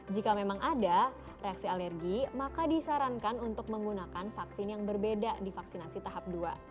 jika memang ada reaksi alergi maka disarankan untuk menggunakan vaksin yang berbeda di vaksinasi tahap dua